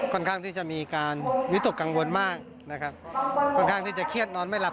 ค่อนข้างที่จะมีการวิตกกังวลมากนะครับค่อนข้างที่จะเครียดนอนไม่หลับ